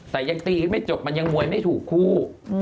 แต่ยังตีกันไม่จบมันยังมวยไม่ถูกคู่